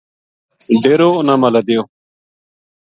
ڈیرو اُنھاں ما لدیو